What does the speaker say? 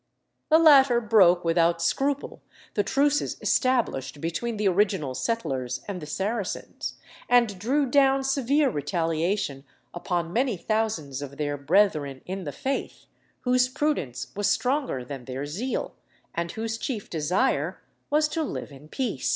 The latter broke without scruple the truces established between the original settlers and the Saracens, and drew down severe retaliation upon many thousands of their brethren in the faith, whose prudence was stronger than their zeal, and whose chief desire was to live in peace.